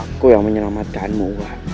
aku yang menyelamatkanmu uang